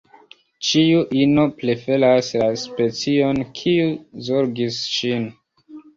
Ĉiu ino preferas la specion, kiu zorgis ŝin.